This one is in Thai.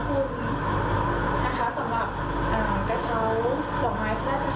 คือเกี่ยวกับการแสดงความที่ให้กำลังใจ